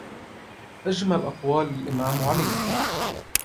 أجمل أقوال الإمام علي:-